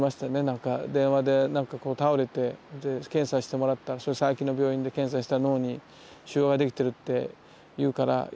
なんか電話で倒れて検査してもらったら佐伯の病院で検査したら脳に腫瘍ができてるって言うから。